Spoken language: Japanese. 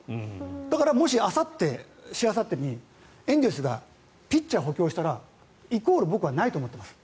だからもしあさって、しあさってにエンゼルスがピッチャーを補強したらイコール僕はないと思っています。